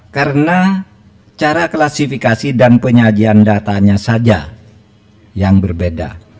karena cara klasifikasi dan penyajian datanya saja yang berbeda